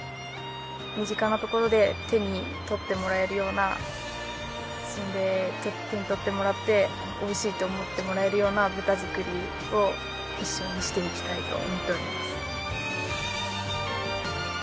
身近なところで手に取ってもらえるようなそれで手に取ってもらっておいしいって思ってもらえるような豚作りを一緒にしていきたいと思っております。